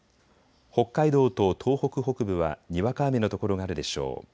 北海道と東北北部はにわか雨の所があるでしょう。